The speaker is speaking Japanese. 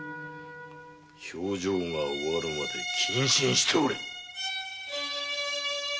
評定が終わるまで謹慎しておれ！